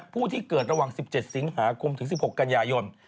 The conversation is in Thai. ผู้ที่เกิดระหว่าง๑๗สิงหาคมถึง๑๖กันยายน